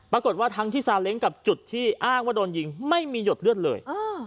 ทั้งที่ซาเล้งกับจุดที่อ้างว่าโดนยิงไม่มีหยดเลือดเลย